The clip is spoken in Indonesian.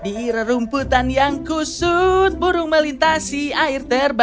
di ire rumputan yang kusut burung melintasi